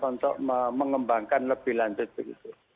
untuk mengembangkan lebih lanjut begitu